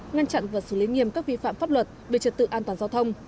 ngăn chặn và xử lý nghiêm các vi phạm pháp luật về trật tự an toàn giao thông